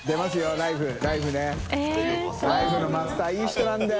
ライフ」のマスターいい人なんだよ。